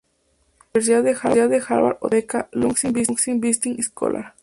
La Universidad de Harvard otorga la beca "Luksic Visiting Scholar".